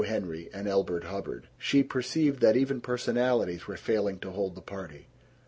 Henry, and Elbert Hubbard. She perceived that even personalities were failing to hold the party.